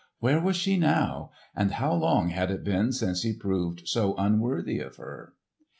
Where was she now; and how long had it been since he proved so unworthy of her?